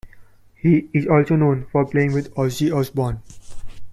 He is also known for playing with Ozzy Osbourne.